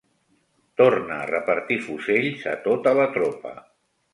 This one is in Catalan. Torna a repartir fusells a tota la tropa.